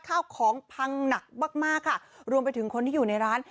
ข้าวของพังหนักมากมากค่ะรวมไปถึงคนที่อยู่ในร้าน